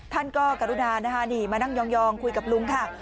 ท่านก็กรุณานะคะนี่มานั่งยองคุยกับลุงค่ะ